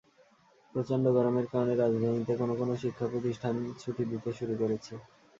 প্রচণ্ড গরমের কারণে রাজধানীতে কোনো কোনো শিক্ষাপ্রতিষ্ঠান ছুটি দিতে শুরু করেছে।